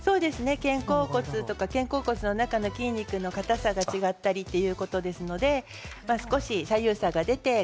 肩甲骨とか肩甲骨の間の筋肉の硬さが違ったりということですので少し左右差が出ている。